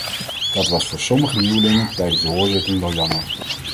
Dat was voor sommige nieuwelingen tijdens de hoorzittingen wel jammer.